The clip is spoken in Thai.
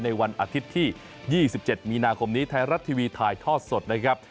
วันอาทิตย์ที่๒๗มีนาคมนี้ไทยรัฐทีวีถ่ายทอดสดนะครับ